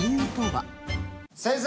先生！